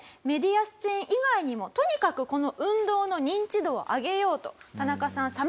メディア出演以外にもとにかくこの運動の認知度を上げようと田中さん